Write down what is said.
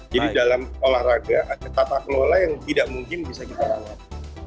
jadi dalam olahraga ada tata kelola yang tidak mungkin bisa kita rawat